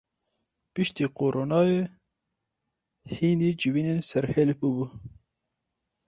Piştî koronayê hînî civînên serhêl bûbû.